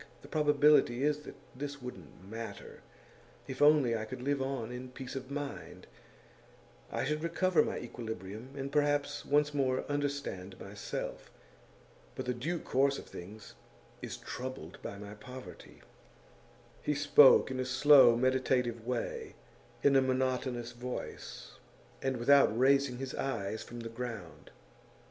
The probability is that this wouldn't matter, if only I could live on in peace of mind; I should recover my equilibrium, and perhaps once more understand myself. But the due course of things is troubled by my poverty.' He spoke in a slow, meditative way, in a monotonous voice, and without raising his eyes from the ground.